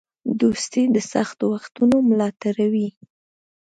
دوستي د سختو وختونو ملاتړی وي.